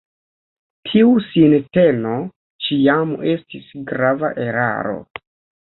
Tiu sinteno ĉiam estis grava eraro.